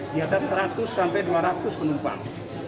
di atas seratus sampai dua ratus penumpang